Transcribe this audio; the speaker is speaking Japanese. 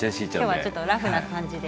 今日はちょっとラフな感じで。